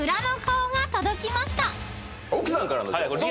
奥さんからの情報。